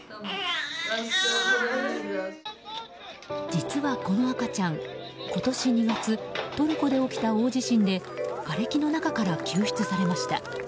実は、この赤ちゃん今年２月トルコで起きた大地震でがれきの中から救出されました。